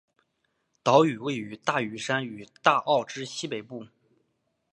岛屿位于大屿山大澳之西北部。